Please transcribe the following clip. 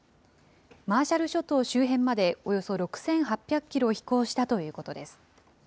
マーシャル諸島周辺までおよそ６８００キロ飛行したということです。